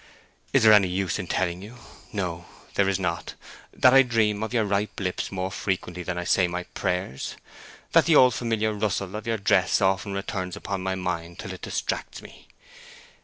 Is there any use in telling you—no, there is not—that I dream of your ripe lips more frequently than I say my prayers; that the old familiar rustle of your dress often returns upon my mind till it distracts me?